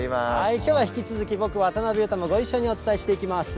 きょうは引き続き、僕、渡辺裕太も一緒にお伝えしていきます。